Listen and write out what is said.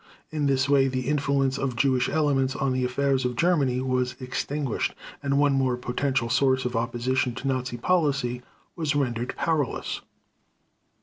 In this way the influence of Jewish elements on the affairs of Germany was extinguished, and one more potential source of opposition to Nazi policy was rendered powerless.